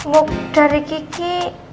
book dari kiki